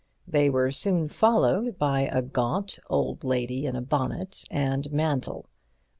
They were soon followed by a gaunt old lady in a bonnet and mantle.